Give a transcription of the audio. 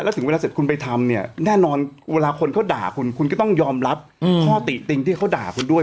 ถึงเวลาเสร็จคุณไปทำเนี่ยแน่นอนเวลาคนเขาด่าคุณคุณก็ต้องยอมรับข้อติติงที่เขาด่าคุณด้วย